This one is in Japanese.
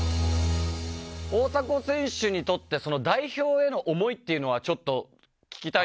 大迫選手にとって代表への思いっていうのはちょっと聞きたいんですけども。